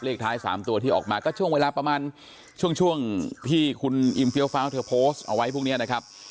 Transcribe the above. ท้าย๓ตัวที่ออกมาก็ช่วงเวลาประมาณช่วงที่คุณอิมเฟี้ยฟ้าวเธอโพสต์เอาไว้พวกนี้นะครับ